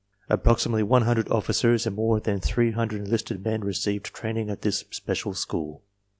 Approximately one hundred officers and more than three hundred enlisted men received training at this gjgecial school.